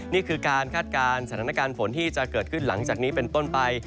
นี่คือการคาดการณ์สถานการณ์ฝนที่จะเกิดขึ้นหลังจากนี้เป็นต้นไป